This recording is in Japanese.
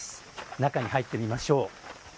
中に入ってみましょう。